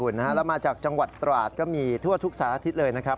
แล้วมาจากจังหวัดตราดก็มีทั่วทุกสารอาทิตย์เลยนะครับ